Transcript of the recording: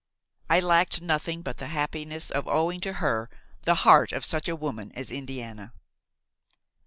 I lacked nothing but the happiness of owing to her the heart of such a woman as Indiana."